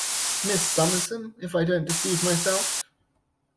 Miss Summerson, if I don't deceive myself?